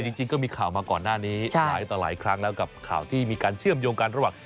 จริงก็มีข่าวมาก่อนหน้านี้หลายต่อหลายครั้งแล้วกับข่าวที่มีการเชื่อมโยงกันระหว่าง